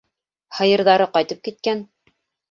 Һыйырҙары ҡайтып киткән.